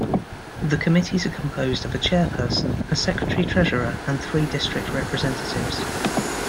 The committees are composed of a chairperson, a secretary-treasurer, and three district representatives.